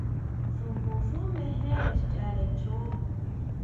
Xojón xú mejere chasjere chon.